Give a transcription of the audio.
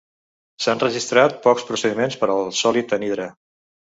S'han registrat pocs procediments per al sòlid anhidre.